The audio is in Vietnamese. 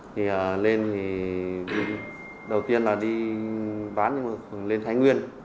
thì lên thì đầu tiên là đi bán nhưng mà lên thái nguyên